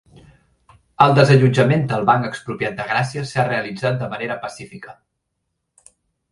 El desallotjament del Banc Expropiat de Gràcia s'ha realitzat de manera pacífica